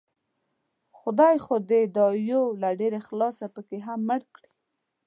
خدای خو دې دا يو له ډېر اخلاصه پکې هم مړ کړي